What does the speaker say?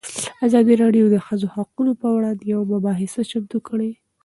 ازادي راډیو د د ښځو حقونه پر وړاندې یوه مباحثه چمتو کړې.